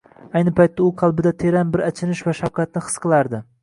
Ayni paytda u qalbida teran bir achinish va shafqatni his qilar edi